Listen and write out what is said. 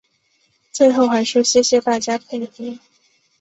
最后还说谢谢大家的配合